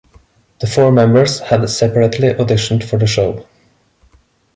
The four members had separately auditioned for the show.